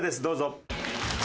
どうぞ。